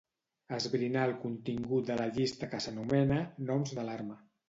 Esbrinar el contingut de la llista que s'anomena "noms d'alarma".